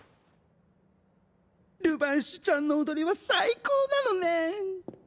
ルヴァーンシュちゃんの踊りは最高なのねん。